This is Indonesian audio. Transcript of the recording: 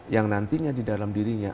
yang nantinya di dalam dirinya